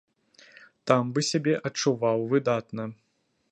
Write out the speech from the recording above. Там бы сябе адчуваў выдатна.